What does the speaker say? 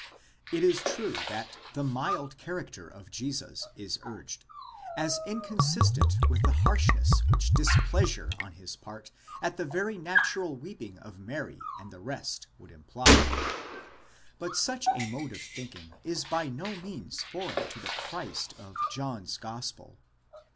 It is true that the mild character of Jesus is urged, as inconsistent with the harshness which displeasure on his part at the very natural weeping of Mary and the rest would imply ; 2° but such a mode of thinking is by no means foreign to the 'Christ of John's gospel.